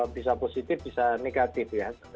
bisa positif bisa negatif ya